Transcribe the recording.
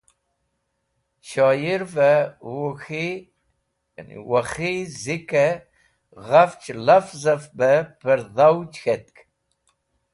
Shoyirve Whuk̃hi/ Wakhi zikẽ ghaf lavzẽv bẽ pẽrdhavj k̃hetk.